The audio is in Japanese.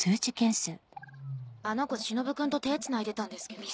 「あの子しのぶくんと手つないでたんですけど」。